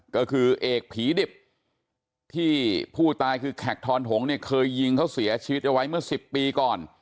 ก็คือเอกผีดิบที่ผู้ตายคือแขกทอนถงเนี่ยเคยยิงเขาเสียชีวิตเอาไว้เมื่อ๑๐ปีก่อน